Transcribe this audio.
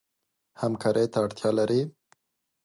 همکارۍ ته اړتیا لري.